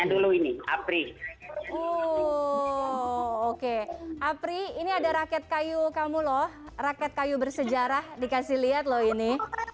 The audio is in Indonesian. dulu ini apri oke apri ini ada raket kayu kamu loh rakyat kayu bersejarah dikasih lihat loh ini